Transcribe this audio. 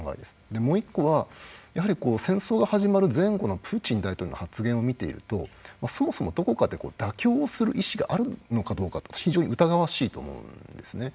でもう一個はやはり戦争が始まる前後のプーチン大統領の発言を見ているとそもそもどこかで妥協をする意思があるのかどうか非常に疑わしいと思うんですね。